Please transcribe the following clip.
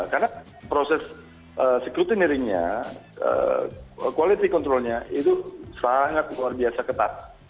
karena proses securityneringnya quality controlnya itu sangat luar biasa ketat